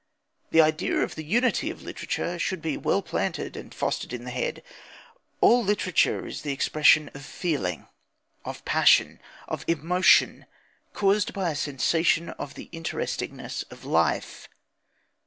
The idea of the unity of literature should be well planted and fostered in the head. All literature is the expression of feeling, of passion, of emotion, caused by a sensation of the interestingness of life.